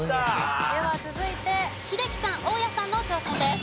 では続いて英樹さん大家さんの挑戦です。